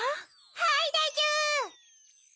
はいでちゅ！